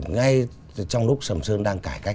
ngay trong lúc sầm sơn đang cải cách